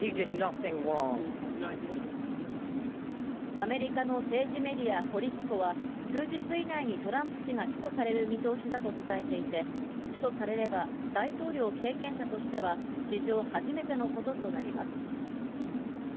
アメリカの政治メディア、ポリティコは、数日以内にトランプ氏が起訴される見通しだと伝えていて、起訴されれば、大統領経験者としては史上初めてのこととなります。